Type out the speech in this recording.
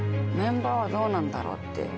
メンバーはどうなんだろう？って。